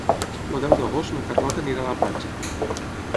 El deu d'agost na Carlota anirà a la platja.